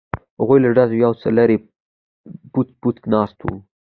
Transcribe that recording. هغوی له ډزو یو څه لرې بوڅ بوڅ ناست وو.